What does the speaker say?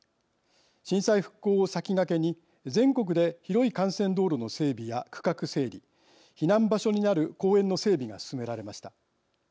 震災復興を先駆けに全国で広い幹線道路の整備や区画整理避難場所になる公園の整備が進められました。